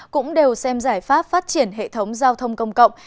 cũng đều xem giải pháp phát triển hệ thống giao thông công cộng